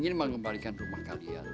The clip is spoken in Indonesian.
ingin mengembalikan rumah kalian